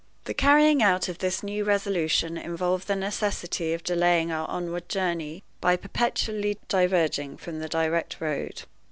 The carrying out of this new resolution involved the necessity of delaying our onward journey by perpetually diverging from the direct road.